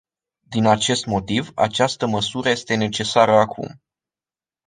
Din acest motiv, această măsură este necesară acum.